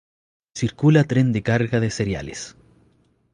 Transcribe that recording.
Circula tren de carga de cereales